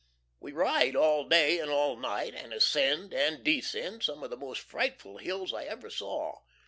We ride all day and all night, and ascend and descend some of the most frightful hills I ever saw.